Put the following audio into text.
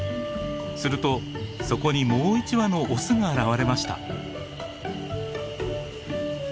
するとそこにもう１羽のオスが現れました。